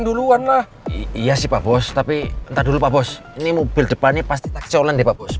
duluan lah iya sih pak bos tapi entah dulu pak bos ini mobil depannya pasti taksi olan di pak